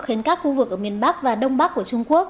khiến các khu vực ở miền bắc và đông bắc của trung quốc